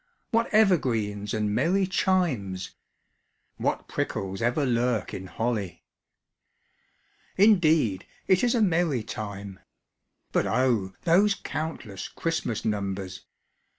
_) What evergreens and merry chimes! (What prickles ever lurk in holly!) Indeed it is a merry time; (_But O! those countless Christmas numbers!